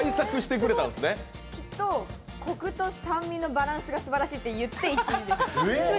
きっとこくと酸味のバランスがすばらしいって言って１位です。